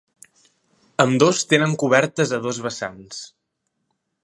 Ambdós tenen cobertes a dos vessants.